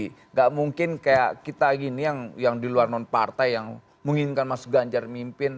tidak mungkin kayak kita gini yang di luar non partai yang menginginkan mas ganjar mimpin